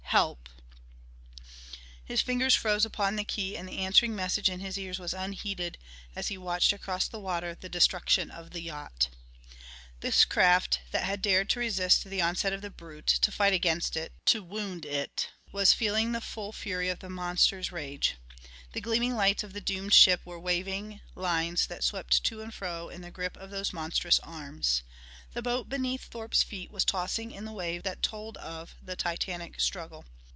Help " His fingers froze upon the key and the answering message in his ears was unheeded as he watched across the water the destruction of the yacht. This craft that had dared to resist the onset of the brute, to fight against it, to wound it, was feeling the full fury of the monster's rage. The gleaming lights of the doomed ship were waving lines that swept to and fro in the grip of those monstrous arms. The boat beneath Thorpe's feet was tossing in the waves that told of the titanic struggle.